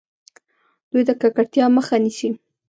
دوی د ککړتیا مخه نیسي.